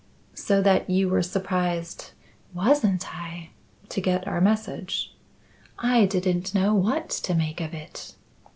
"So that you were surprised " "Wasn't I!" "To get our message." "I didn't know what to make of it."